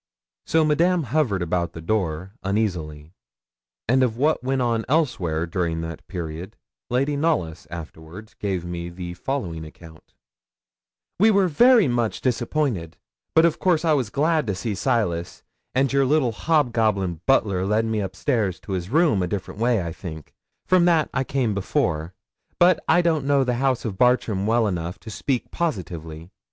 So Madame hovered about the door, uneasily; and of what went on elsewhere during that period Lady Knollys afterwards gave me the following account: 'We were very much disappointed; but of course I was glad to see Silas, and your little hobgoblin butler led me upstairs to his room a different way, I think, from that I came before; but I don't know the house of Bartram well enough to speak positively.